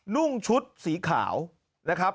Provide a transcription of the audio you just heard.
นุ่งชุดสีขาวนะครับ